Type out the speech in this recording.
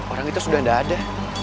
orang itu sudah tidak ada